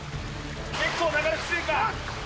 結構流れきついか？